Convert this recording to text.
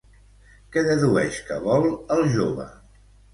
Què dedueix que vol el jove?